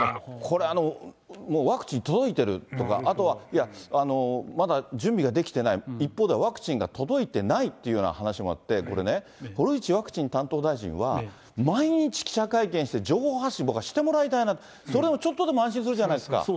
これ、もうワクチン届いてるとか、あとは、いや、まだ準備ができてない、一方でワクチンが届いてないって話もあってね、これね、堀内ワクチン担当大臣は、毎日記者会見して情報発信を僕はしてもらいたいなって、それをちょっとでも安心するじゃないですか。